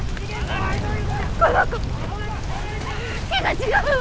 この子気がちがうわ！